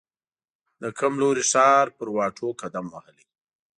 د کوم لوی ښار پر واټو قدم وهلی